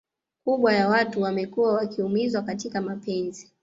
kubwa ya watu wamekua wakiumizwa katika mapenzi